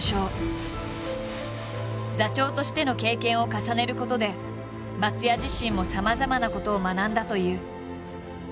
座長としての経験を重ねることで松也自身もさまざまなことを学んだという。